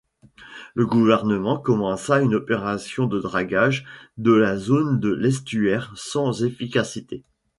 Le gouvernement commença une opération de dragage de la zone de l'estuaire, sans efficacité.